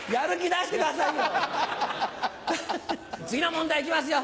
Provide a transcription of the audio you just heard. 次の問題いきますよ！